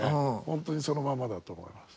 本当にそのまんまだと思います。